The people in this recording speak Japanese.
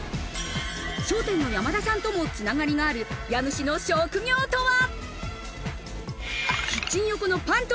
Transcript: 『笑点』の山田さんとも繋がりがある家主の職業とは？